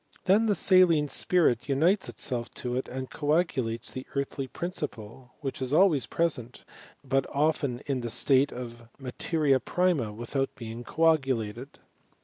Then the salinl spirit unites itself to it and coagulates the eaitls principle, which is always present, but often in d| state of materiaprima without being coagulated.